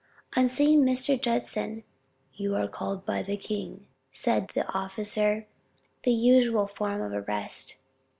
On seeing Mr. Judson "You are called by the king," said the officer, the usual form of arrest.